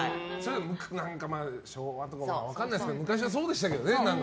昭和とか分かんないけど昔はそうでしたけどね。